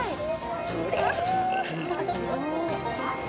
うれしい。